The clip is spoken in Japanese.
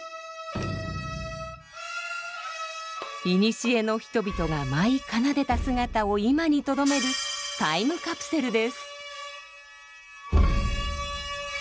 いにしえの人々が舞い奏でた姿を今にとどめるタイムカプセルです。